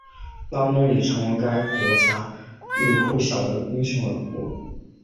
拉蒙也成为该国家喻户晓的英雄人物。